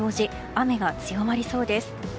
雨が強まりそうです。